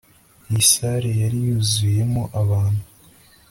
Iyi salle yari yuzuyemo abantu